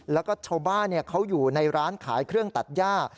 แล้วก็ชาวบ้านเขาอยู่ในร้านขายเครื่องตัดย่า